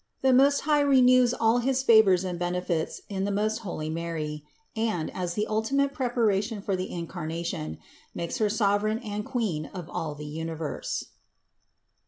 THE MOST HIGH RENEWS ALL HIS FAVORS AND BENEFITS IN THE MOST HOLY MARY AND, AS THE ULTIMATE PREPARATION FOR THE INCARNATION, MAKES HER SOVEREIGN AND QUEEN OF ALL THE UNIVERSE.